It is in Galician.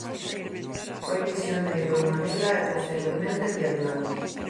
Foi misioneiro en Manila e posteriormente en Vietnam.